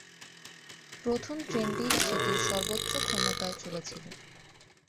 প্রথম ট্রেনটি সেটির সর্বোচ্চ ক্ষমতায় চলেছিল।